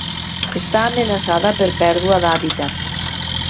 Està amenaçada per pèrdua d'hàbitat.